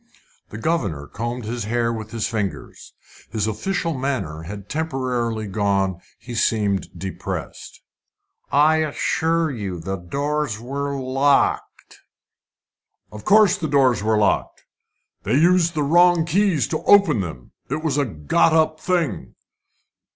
The governor combed his hair with his fingers. His official manner had temporarily gone. He seemed depressed. "I assure you the doors were locked." "Of course the doors were locked, and they used the wrong keys to open them! It was a got up thing."